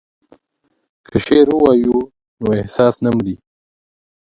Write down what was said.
که شعر ووایو نو احساس نه مري.